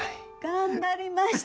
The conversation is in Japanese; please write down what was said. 頑張りました！